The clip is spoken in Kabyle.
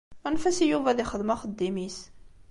Anef-as i Yuba ad ixdem axeddim-is.